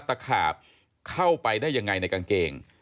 ตะขาบเข้าไปได้ยังไงในกางเกง